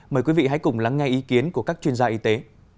mời quý vị hãy cùng lắng nghe ý kiến của các chuyên gia y tế